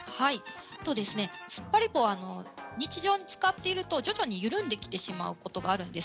つっぱり棒日常、使っていると徐々に緩んできてしまうことがあるんです。